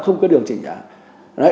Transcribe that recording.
không có điều chỉnh giá